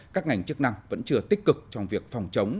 các ngành chức năng vẫn chưa tích cực trong việc phòng chống